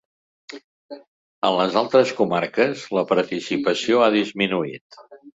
En les altres comarques, la participació ha disminuït.